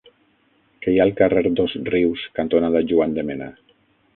Què hi ha al carrer Dosrius cantonada Juan de Mena?